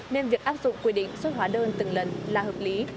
nên việc áp dụng quy định xuất hóa đơn từng lần là hợp lý